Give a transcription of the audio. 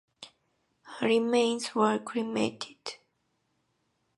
Her remains were cremated.